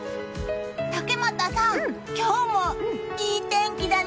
竹俣さん、今日もいい天気だね！